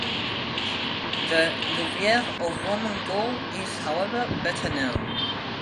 The Louviers of Roman Gaul is, however, better known.